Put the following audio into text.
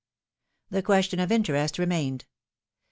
The question of interest remained.